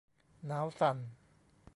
หนาวสั่น